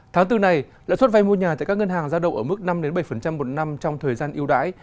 tháng bốn này lợi suất vai mua nhà tại các ngân hàng ra đầu ở mức năm bảy một năm trong thời gian yêu đáy